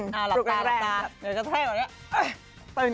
มาหลับตาหลับตาเดี๋ยวจะแท่ก่อนแล้ว